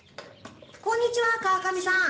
こんにちは川上さん。